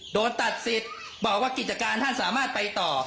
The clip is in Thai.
โดนตัดสิทธิ์บอกว่ากิจการท่านสามารถไปต่อ